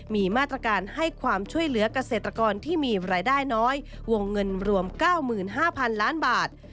มีมาตรการให้ความช่วยเหลือกเกษตรกรที่มีรายได้น้อยวงเงินรวม๙๕๐๐๐ล้านบาท